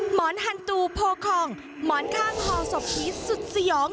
หมอนฮันตูโพคองหมอนข้างห่อศพผีสุดสยอง